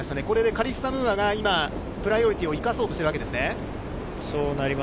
カリッサ・ムーアがプライオリティーを生かそうとしているわけですね。